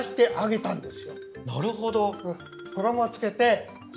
なるほど。